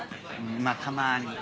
んまぁたまに。